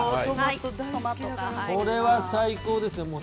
これは最高ですね。